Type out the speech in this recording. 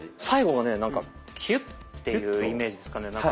最後がねなんかキュッというイメージですかね。